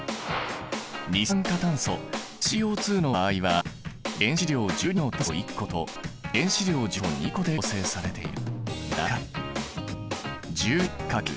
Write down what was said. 二酸化炭素ＣＯの場合は原子量１２の炭素１個と原子量１６の酸素２個で構成されている。